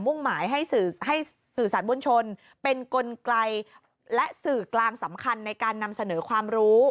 หมายให้สื่อให้สื่อสารมวลชนเป็นกลไกลและสื่อกลางสำคัญในการนำเสนอความรู้